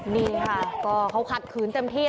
นี่ค่ะก็เขาขัดขืนเต็มที่